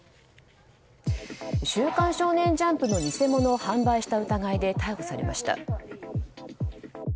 「週刊少年ジャンプ」の偽物を販売した疑いで逮捕されました。